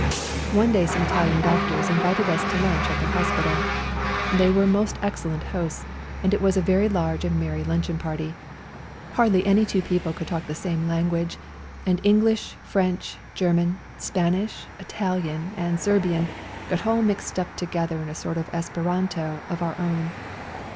One day some Italian doctors invited us to lunch at their hospital; they were most excellent hosts, and it was a very large and merry luncheon party. Hardly any two people could talk the same language, and English, French, German, Spanish, Italian and Serbian got all mixed up together into a sort of Esperanto of our own.